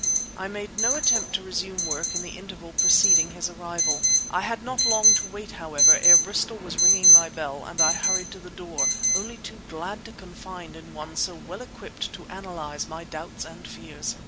I made no attempt to resume work in the interval preceding his arrival. I had not long to wait, however, ere Bristol was ringing my bell; and I hurried to the door, only too glad to confide in one so well equipped to analyze my doubts and fears.